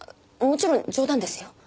もちろん冗談ですよ。